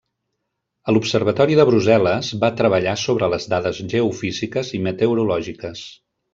A l'observatori de Brussel·les, va treballar sobre les dades geofísiques i meteorològiques.